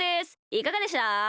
いかがでした？